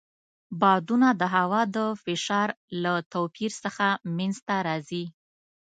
بادونه د هوا د فشار له توپیر څخه منځته راځي.